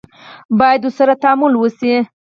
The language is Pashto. باید ورسره تعامل وشي.